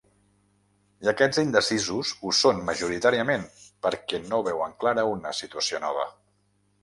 I aquests indecisos ho són, majoritàriament, perquè no veuen clara una situació nova.